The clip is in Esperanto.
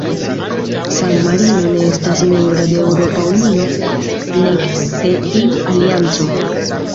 San-Marino ne estas membro de Eŭropa Unio, nek de iu alianco.